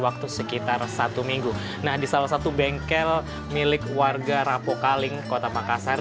waktu sekitar satu minggu nah di salah satu bengkel milik warga rapokaling kota makassar